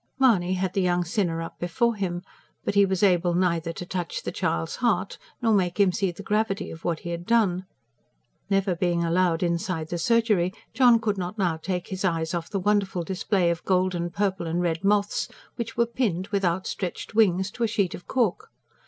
Mahony had the young sinner up before him. But he was able neither to touch the child's heart, nor to make him see the gravity of what he had done: never being allowed inside the surgery, John could now not take his eyes off the wonderful display of gold and purple and red moths, which were pinned, with outstretched wings, to a sheet of cork.